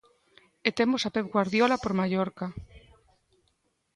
E temos a Pep Guardiola por Mallorca.